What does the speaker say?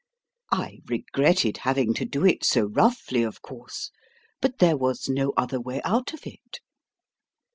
I regretted having to do it so roughly, of course; but there was no other way out of it."